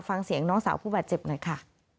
ฟังเสียงน้องสาวผู้บาดเจ็บหน่อยค่ะ